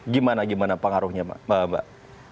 gimana gimana pengaruhnya mbak